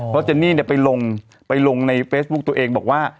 เพราะเจนนี่ไปลงไปลงในเฟซบุ๊คตัวเองบอกว่า